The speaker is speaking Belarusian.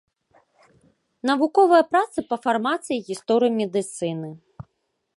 Навуковыя працы па фармацыі і гісторыі медыцыны.